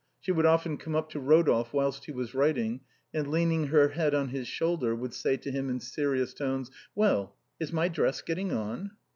She would often come up to Ro dolphe whilst he was writing, and leaning her head on his shoulder would say to him in serious tones —" Well, is my dress getting on